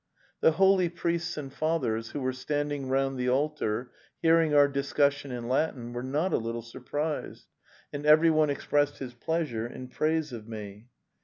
The holy priests and fathers who were standing round the altar, hearing our discussion in Latin, were not a little surprised, and everyone ex pressed his pleasure in praise of me.